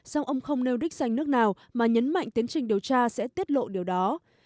song ông không nêu đích danh nước nào mà nhấn mạnh tiến trình điều tra sẽ tiết lộ điều đó